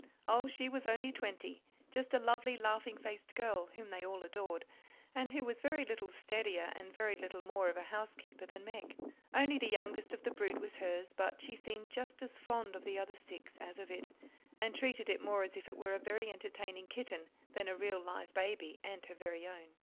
Oh, she was only twenty just a lovely, laughing faced girl, whom they all adored, and who was very little steadier and very little more of a housekeeper than Meg. Only the youngest of the brood was hers, but she seemed just as fond of the other six as of it, and treated it more as if it were a very entertaining kitten than a real live baby, and her very own.